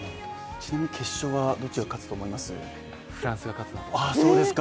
ちなみに決勝はどっちが勝つと思いますか？